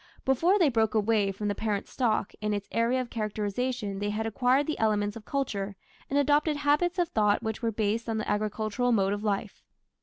Before they broke away from the parent stock in its area of characterization they had acquired the elements of culture, and adopted habits of thought which were based on the agricultural mode of life.